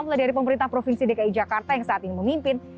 mulai dari pemerintah provinsi dki jakarta yang saat ini memimpin